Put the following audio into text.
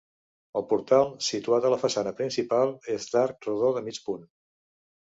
El portal, situat a la façana principal, és d'arc rodó de mig punt.